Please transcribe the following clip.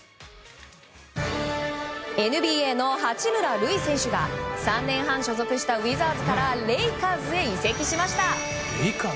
ＮＢＡの八村塁選手が３年半所属したウィザーズからレイカーズへ移籍しました。